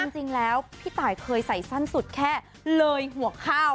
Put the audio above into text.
จริงแล้วพี่ตายเคยใส่สั้นสุดแค่เลยหัวข้าว